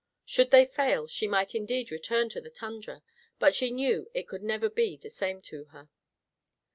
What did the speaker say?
Should they fail, she might indeed return to the tundra, but she knew it could never be the same to her.